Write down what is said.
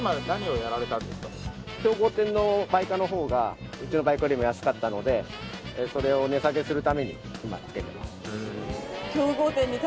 競合店の売価の方がうちの売価よりも安かったのでそれを値下げするために今つけてます